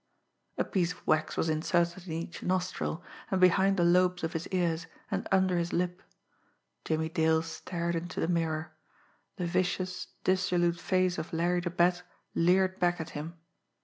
A piece of wax was inserted in each nostril, and behind the lobes of his ears, and under his lip. Jimmie Dale stared into the mirror the vicious, dissolute face of Larry the Bat leered back at him.